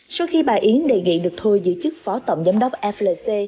sau khi bà yến đề nghị được thôi giữ chức phó tổng giám đốc flc